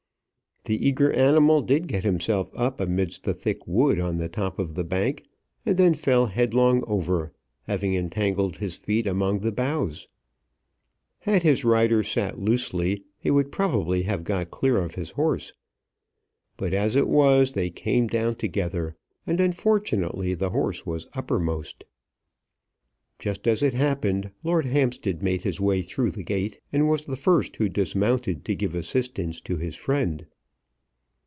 The eager animal did get himself up amidst the thick wood on the top of the bank, and then fell headlong over, having entangled his feet among the boughs. Had his rider sat loosely he would probably have got clear of his horse. But as it was they came down together, and unfortunately the horse was uppermost. Just as it happened Lord Hampstead made his way through the gate, and was the first who dismounted to give assistance to his friend.